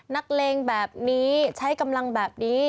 เลงแบบนี้ใช้กำลังแบบนี้